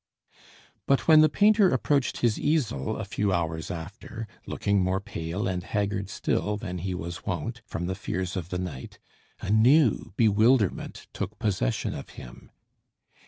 But when the painter approached his easel a few hours after, looking more pale and haggard still than he was wont, from the fears of the night, a new bewilderment took possession of him.